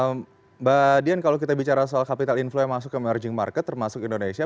mbak dian kalau kita bicara soal capital inflow yang masuk ke emerging market termasuk indonesia